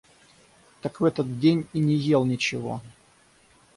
Так в этот день и не ел ничего.